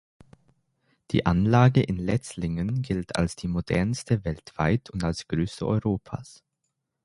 Die Anlage in Letzlingen gilt als die modernste weltweit und als größte Europas.